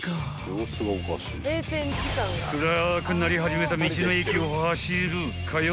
［暗くなり始めた道の駅を走るかよ